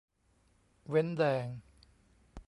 เว้นแดง